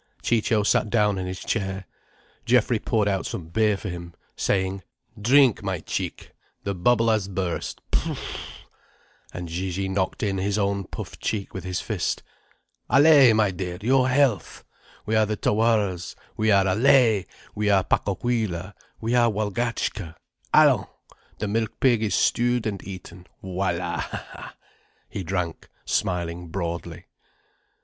Ciccio sat down in his chair. Geoffrey poured out some beer for him, saying: "Drink, my Cic', the bubble has burst, prfff!" And Gigi knocked in his own puffed cheek with his fist. "Allaye, my dear, your health! We are the Tawaras. We are Allaye! We are Pacohuila! We are Walgatchka! Allons! The milk pig is stewed and eaten. Voilà!" He drank, smiling broadly.